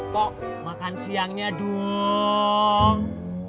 kok makan siangnya dong